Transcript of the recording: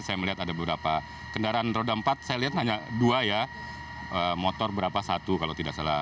saya melihat ada beberapa kendaraan roda empat saya lihat hanya dua ya motor berapa satu kalau tidak salah